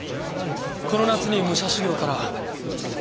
この夏に武者修行から。